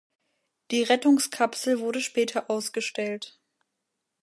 Die Rettungskapsel wurde später ausgestellt.